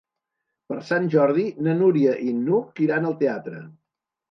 Per Sant Jordi na Núria i n'Hug iran al teatre.